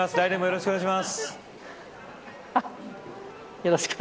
よろしくお願いします。